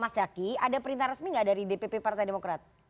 mas zaky ada perintah resmi gak dari dpp partai demokrat